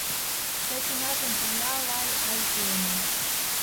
Ты тӱняжым пырля-лай, ай, илена.